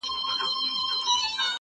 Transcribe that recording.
o کشکي دا اول عقل اخير واى!